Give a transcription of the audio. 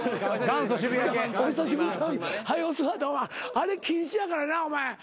あれ禁止やからなお前。